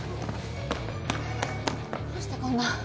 どうしてこんな。